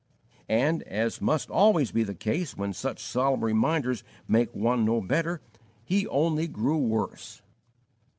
And as must always be the case when such solemn reminders make one no better he only grew worse.